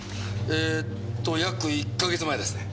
えーっと約１か月前ですね。